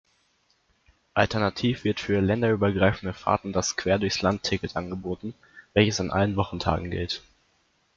Alternativ wird für länderübergreifende Fahrten das Quer-durchs-Land-Ticket angeboten, welches an allen Wochentagen gilt.